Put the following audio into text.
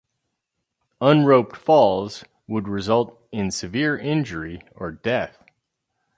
Un-roped falls would result in severe injury or death.